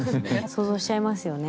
想像しちゃいますよね。